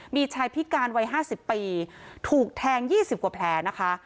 มีชายพิการวัยห้าสิบปีถูกแทงยี่สิบกว่าแผลนะคะ